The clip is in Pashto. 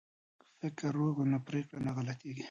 که فکر روغ وي نو پریکړه نه غلطیږي.